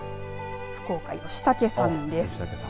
福岡、吉竹さんです。